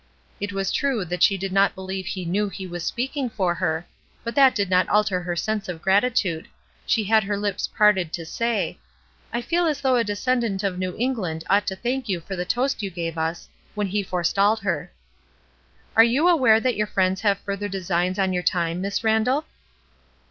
It is true that she did not believe he knew he was speaking for her, but that did not alter her sense of gratitude. She had her lips parted to say: — "I feel as though a descendant of New Eng land ought to thank you for the toast you gave us," when he forestalled her. "Are you aware that your friends have further designs on your time, Miss Ran dall?"